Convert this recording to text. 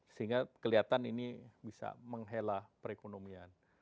sehingga kelihatan ini bisa menghela perekonomian